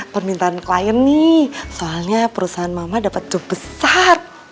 permintaan klien nih soalnya perusahaan mama dapat duit besar